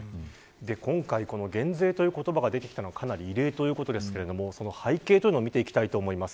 今回、減税という言葉が出てきたのはかなり異例ということですがその背景というのを見ていきたいと思います。